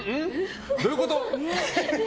どういうこと？